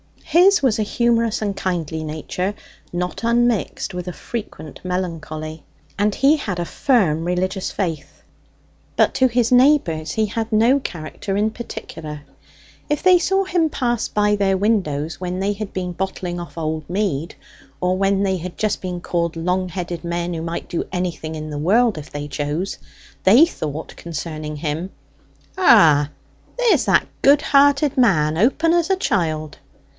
His was a humorous and kindly nature, not unmixed with a frequent melancholy; and he had a firm religious faith. But to his neighbours he had no character in particular. If they saw him pass by their windows when they had been bottling off old mead, or when they had just been called long headed men who might do anything in the world if they chose, they thought concerning him, "Ah, there's that good hearted man open as a child!"